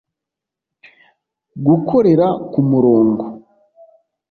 gukorera ku murongo